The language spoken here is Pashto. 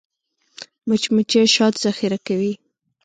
مچمچۍ شات ذخیره کوي